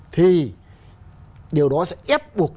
thì điều đó sẽ ép buộc